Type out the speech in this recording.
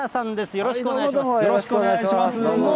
よろしくお願いします。